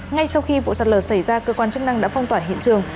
ngay sau khi vụ sạt lở xảy ra cơ quan chức năng đã phong tỏa hiện trường